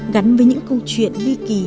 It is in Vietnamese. gắn với những câu chuyện ly kỳ